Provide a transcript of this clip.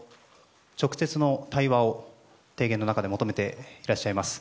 直接の対話を提言の中で求めていらっしゃいます。